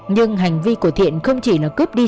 nhưng hành vi của thiện không chỉ là cướp đi